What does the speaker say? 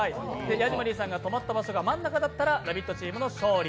ヤジマリーさんが止まった場所が真ん中だったら「ラヴィット！」チームの勝利。